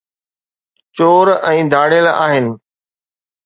چور ۽ ڌاڙيل آهن